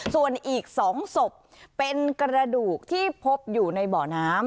ส่วนอีก๒ศพเป็นกระดูกที่พบอยู่ในบ่อน้ำ